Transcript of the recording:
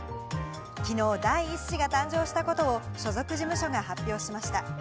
昨日、第１子が誕生したことを所属事務所が発表しました。